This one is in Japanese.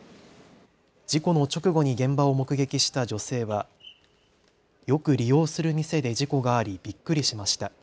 事故の直後に現場を目撃した女性はよく利用する店で事故がありびっくりしました。